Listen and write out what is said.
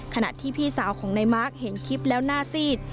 ขณะที่พี่สาวของนายมาร์คเห็นคลิปแล้วหน้าซีด